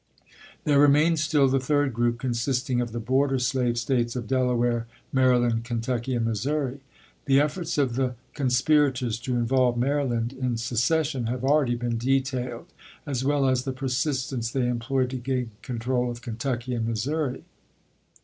There remained still the third group, consisting of the border slave States of Delaware, Maryland, Kentucky, and Missouri. The efforts of the con spirators to involve Maryland in secession have already been detailed, as well as the persistence they employed to gain control of Kentucky and Missouri.